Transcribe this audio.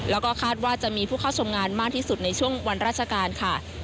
แล้วก็คาดว่าจะมีผู้เข้าชมงานมากที่สุดในช่วงวันราชการค่ะ